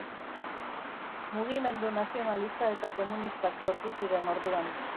Mugimendu nazionalista eta komunistak sortu ziren orduan.